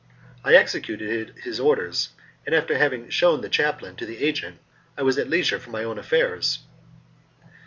I executed his orders, and after having shewn the chaplain to the agent, I was at leisure for my own affairs.